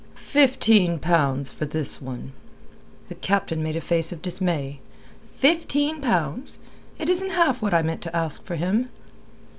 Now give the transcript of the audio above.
"Fifteen pounds for this one." The Captain made a face of dismay. "Fifteen pounds! It isn't half what I meant to ask for him."